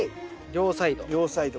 両サイド。